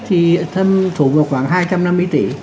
thì thân thủ vào khoảng hai trăm năm mươi tỷ